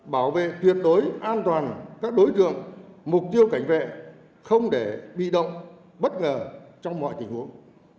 bảo vệ tuyệt đối an toàn các đối tượng mục tiêu cảnh vệ không để bị động bất ngờ trong mọi tình huống